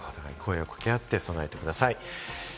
声を掛け合って備えてください。